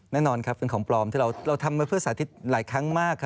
แน่นอนครับเป็นของปลอมที่เราทำมาเพื่อสาธิตหลายครั้งมาก